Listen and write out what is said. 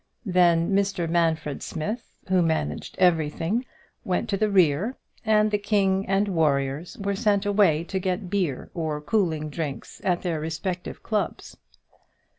Then Mr Manfred Smith, who managed everything, went to the rear, and the king and warriors were sent away to get beer or cooling drinks at their respective clubs.